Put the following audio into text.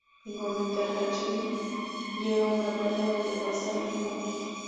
Finalmente, Hache y Babi llegan a una playa, donde pasan el día juntos.